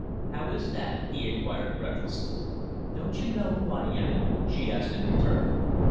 "How is that?" he inquired breathlessly. "Don't you know who I am?" she asked in return.